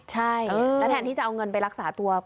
ใช่แล้วแทนที่จะเอาเงินไปรักษาตัว